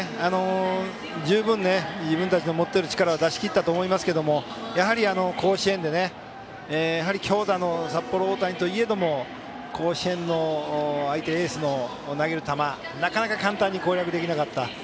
十分、自分たちの持っている力を出し切ったと思いますけどもやはり甲子園で強打の札幌大谷といえども甲子園の相手エースの投げる球をなかなか簡単に攻略できなかった。